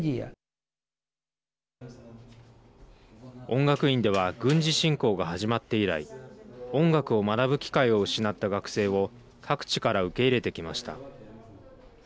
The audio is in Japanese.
音楽院では軍事侵攻が始まって以来音楽を学ぶ機会を失った学生を各地から受け入れてきました。